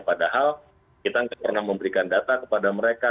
padahal kita nggak pernah memberikan data kepada mereka